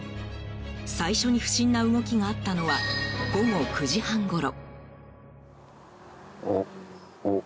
最初に不審な動きがあったのは午後９時半ごろ。